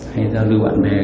hãy giao lưu bạn bè